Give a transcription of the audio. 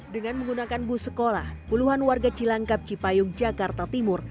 dengan menggunakan bus sekolah puluhan warga cilangkap cipayung jakarta timur